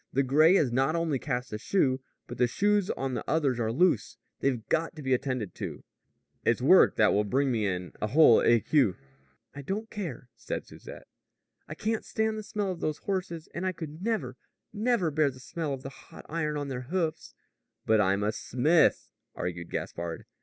"The gray has not only cast a shoe, but the shoes on the others are loose. They've got to be attended to. It's work that will bring me in a whole écu." "I don't care," said Susette. "I can't stand the smell of those horses, and I could never, never bear the smell of the hot iron on their hoofs." "But I'm a smith," argued Gaspard.